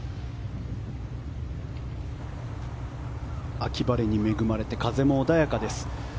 秋晴れに恵まれて風も穏やかです。